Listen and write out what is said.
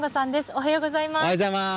おはようございます。